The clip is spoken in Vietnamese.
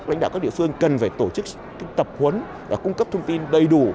lãnh đạo các địa phương cần phải tổ chức tập huấn và cung cấp thông tin đầy đủ